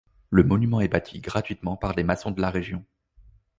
Le monument est bâti gratuitement par des maçons de la région.